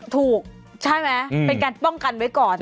ถูกใช่ไหมเป็นการป้องกันไว้ก่อน